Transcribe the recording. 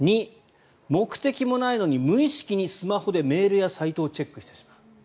２、目的もないのに無意識にスマホでメールやサイトをチェックしてしまう。